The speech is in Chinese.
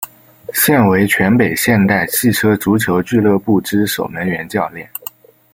现为全北现代汽车足球俱乐部之守门员教练。